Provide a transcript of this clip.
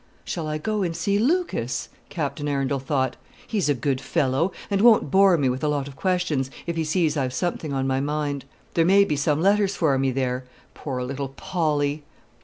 "Shall I go and see Lucas?" Captain Arundel thought. "He's a good fellow, and won't bore me with a lot of questions, if he sees I've something on my mind. There may be some letters for me at E 's. Poor little Polly!"